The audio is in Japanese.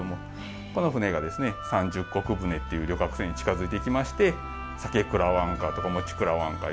この舟がですね三十石船っていう旅客船に近づいていきまして「酒くらわんか」とか「餅くらわんか」